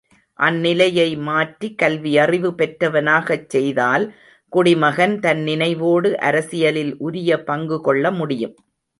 அந்நிலையை மாற்றி, கல்வியறிவு பெற்றவனாகச் செய்தால், குடிமகன், தன் நினைவோடு, அரசியலில் உரிய பங்குகொள்ள முடியும்.